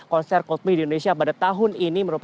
konser coldplay di indonesia pada tahun ini